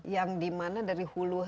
yang dimana dari hulu